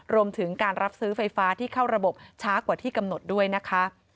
รวมถึงการรับซื้อไฟฟ้าที่เข้าระบบช้ากว่าที่กำหนดด้วยนะคะ